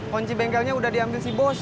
kunci bengkelnya udah diambil si bos